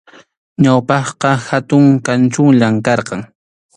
Ñawpaqqa hatun kanchunllam karqan.